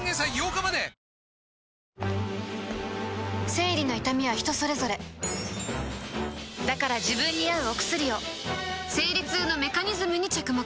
生理の痛みは人それぞれだから自分に合うお薬を生理痛のメカニズムに着目